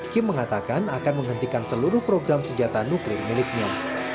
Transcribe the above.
kim mengatakan akan menghentikan seluruh program senjata nuklir miliknya